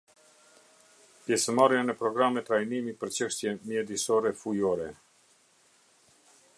Pjesëmarrja në programe trajnimi për çështje mjedisorefujore.